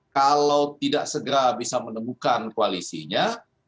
kalau tidak segera bisa menemukan koalisinya